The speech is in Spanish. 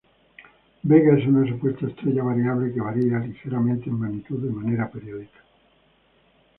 Vega es una supuesta estrella variable que varía ligeramente en magnitud de manera periódica.